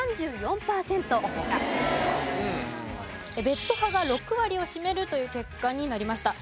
ベッド派が６割を占めるという結果になりました。